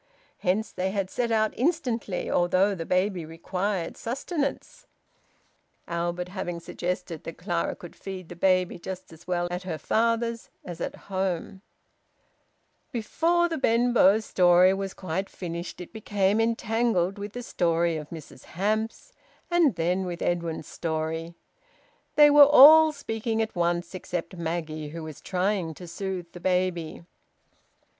Hence they had set out instantly, although the baby required sustenance; Albert having suggested that Clara could feed the baby just as well at her father's as at home. Before the Benbow story was quite finished it became entangled with the story of Mrs Hamps, and then with Edwin's story. They were all speaking at once, except Maggie, who was trying to soothe the baby.